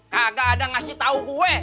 kagak ada ngasih tau gue